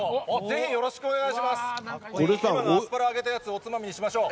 今のアスパラあげたやつをおつまみにしましょう。